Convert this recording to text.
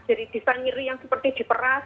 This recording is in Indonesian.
jadi bisa nyeri yang seperti diperas